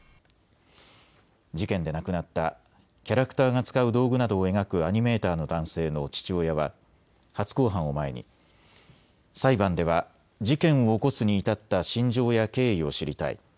事件で亡くなったキャラクターが使う道具などを描くアニメーターの男性の父親は初公判を前に裁判では事件を起こすに至った心情や経緯を知りたい。